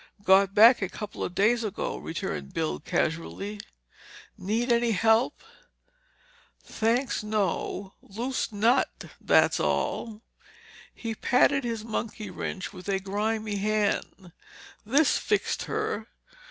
"Got back a couple of days ago," returned Bill casually. "Need any help?" "Thanks, no. Loose nut, that's all." He patted his monkey wrench with a grimy hand. "This fixed her.